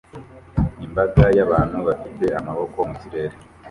Imbaga y'abantu bafite amaboko mu kirere